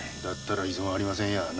だったら異存はありませんや。